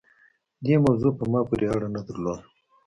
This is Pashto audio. دې موضوع په ما پورې اړه نه درلوده.